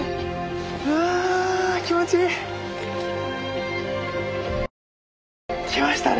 うわ気持ちいい！来ましたね！